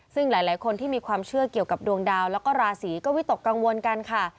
ซึ่งหลายคนที่มีความเชื่อเกี่ยวกับดวงดาวแล้วก็ราศีก็วิตกกังวลกันค่ะ